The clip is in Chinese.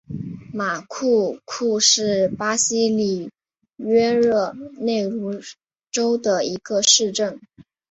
马库库是巴西里约热内卢州的一个市镇。